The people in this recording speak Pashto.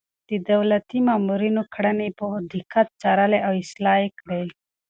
د دولتي مامورينو کړنې يې په دقت څارلې او اصلاح يې کړې.